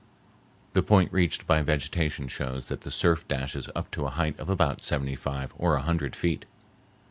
The point reached by vegetation shows that the surf dashes up to a height of about seventy five or a hundred feet.